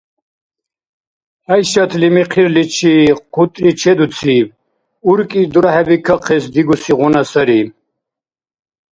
ГӀяйшатли михъирличи хъутри чедуциб: уркӀи дурахӀебикахъес дигусигъуна сарри.